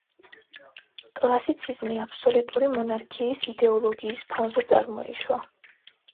კლასიციზმი აბსოლუტური მონარქიის იდეოლოგიის ფონზე წარმოიშვა.